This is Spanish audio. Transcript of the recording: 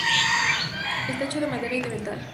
Está hecho de madera y de metal.